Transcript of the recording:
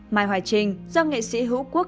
mai hoài trinh do nghệ sĩ hữu quốc